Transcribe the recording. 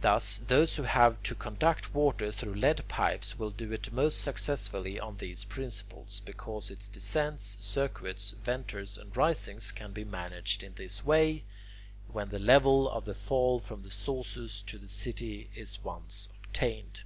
Thus, those who have to conduct water through lead pipes will do it most successfully on these principles, because its descents, circuits, venters, and risings can be managed in this way, when the level of the fall from the sources to the city is once obtained.